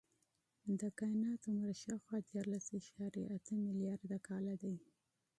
د کائنات عمر شاوخوا دیارلس اعشاریه اته ملیارده کاله دی.